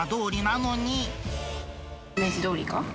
明治通りか？